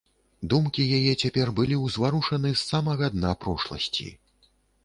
Думкі яе цяпер былі ўзварушаны з самага дна прошласці.